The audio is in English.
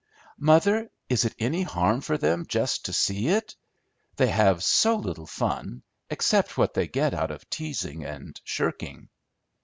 "Mother, is it any harm for them just to see it? They have so little fun, except what they get out of teasing and shirking."